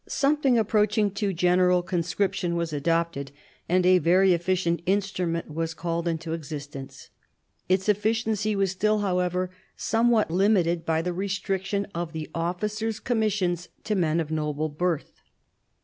Something approaching to general conscription was adopted, and a very efficient instrument was called into existence. Its efficiency was still, however, some what limited by the restriction of the officers' com missions to men of noble birth.